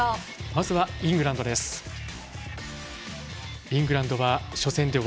まずはイングランドです。